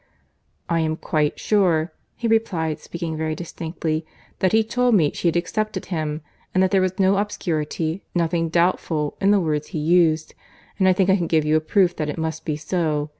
"I am quite sure," he replied, speaking very distinctly, "that he told me she had accepted him; and that there was no obscurity, nothing doubtful, in the words he used; and I think I can give you a proof that it must be so.